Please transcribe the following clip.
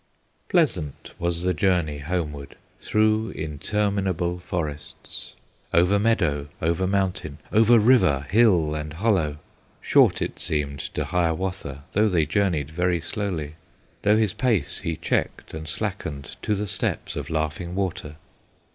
Pleasant was the journey homeward, Through interminable forests, Over meadow, over mountain, Over river, hill, and hollow. Short it seemed to Hiawatha, Though they journeyed very slowly, Though his pace he checked and slackened To the steps of Laughing Water.